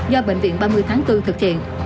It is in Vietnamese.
do bệnh viện ba mươi tháng bốn thực hiện